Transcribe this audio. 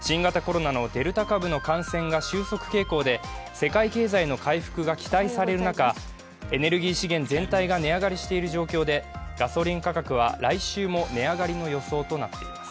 世界経済の回復が期待される中、エネルギー資源全体が値上がりしている状況で、ガソリン価格は来週も値上がりの予想となっています。